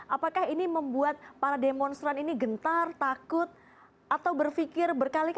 apakah ini membuat para demonstran ini gentar takut atau berpikir berkali kali